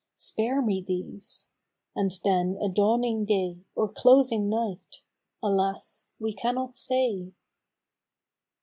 spare me these !) and then — a dawning Day Or closing Night ? Alas ! we cannot say